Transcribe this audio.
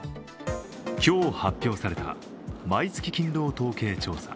今日、発表された毎月勤労統計調査。